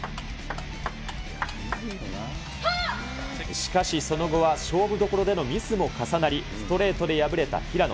しかし、その後は勝負どころでのミスも重なり、ストレートで敗れた平野。